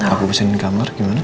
aku mesin di kamar gimana